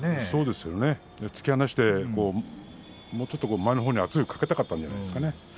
そうですね、突き放してもうちょっと前のほうに圧力をかけたかったんじゃないですかね。